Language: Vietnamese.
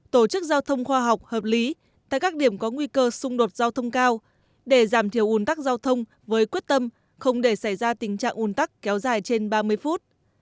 tổ chức giao thông khoa học hợp lý tại các điểm có nguy cơ xung đột giao thông cao để giảm thiểu un tắc giao thông với quyết tâm không để xảy ra tình trạng ủn tắc kéo dài trên ba mươi phút